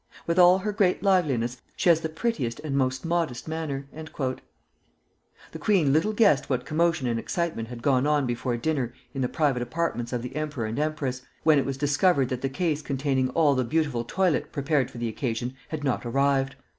With all her great liveliness she has the prettiest and most modest manner." The queen little guessed what commotion and excitement had gone on before dinner in the private apartments of the emperor and empress, when it was discovered that the case containing all the beautiful toilet prepared for the occasion had not arrived.